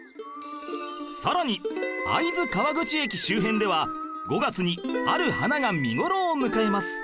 さらに会津川口駅周辺では５月にある花が見頃を迎えます